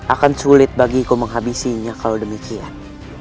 akan sulit bagiku menghabisinya kalau demikian